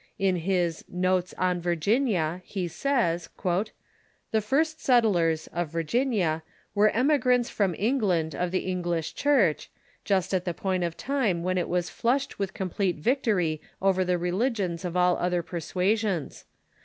In his " Notes on Vir ginia," he says :'" The first settlers "[of Virginia] were emigrants from England of the English Church, just at the point of time when it was flushed with complete victory over the religions of all other persuasions.